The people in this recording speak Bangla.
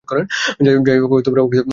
যাইহোক, ওকে পাওয়া তো গেছে।